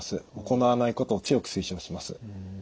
行わないことを強く推奨します。